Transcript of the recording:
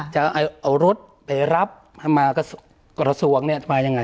จะเอารถไปรับมากระทรวงเนี่ยมายังไง